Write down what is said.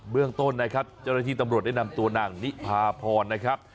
เรื่องต้นนะครับเจ้าหน้าที่ตำรวจได้นำตัวนางนิพาพรนะครับ